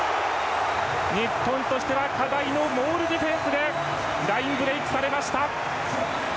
日本としては課題のモールディフェンスでラインブレークされました。